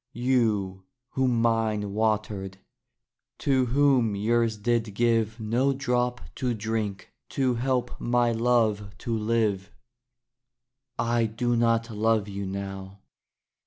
You, whom mine watered; to whom yours did give No drop to drink to help my love to live I do not love you now.